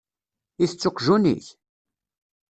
Itett uqjun-ik?